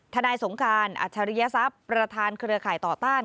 นายสงการอัจฉริยศัพย์ประธานเครือข่ายต่อต้าน